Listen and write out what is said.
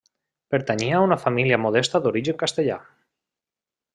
Pertanyia a una família modesta d'origen castellà.